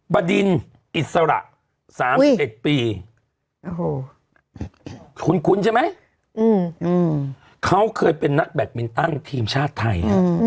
บดินอิสระ๓๑ปีคุ้นใช่ไหมเขาเคยเป็นนักแบตมินตันทีมชาติไทย